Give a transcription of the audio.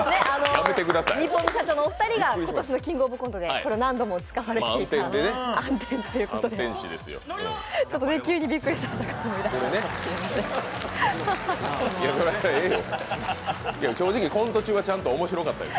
ニッポンの社長のお二人が今年の「キングオブコント」で何度も使われていた暗転ということで。